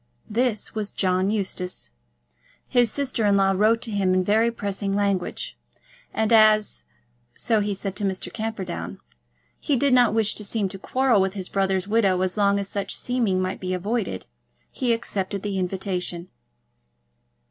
This was John Eustace. His sister in law wrote to him in very pressing language; and as, so he said to Mr. Camperdown, he did not wish to seem to quarrel with his brother's widow as long as such seeming might be avoided, he accepted the invitation.